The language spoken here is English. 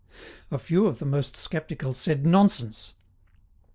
A few of the most sceptical said: "Nonsense!"